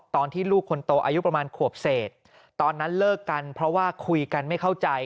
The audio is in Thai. ตอนที่ลูกคนโตอายุประมาณขวบเศษตอนนั้นเลิกกันเพราะว่าคุยกันไม่เข้าใจ